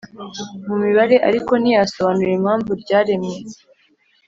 mu mibare ariko ntiyasobanura impamvu ryaremwe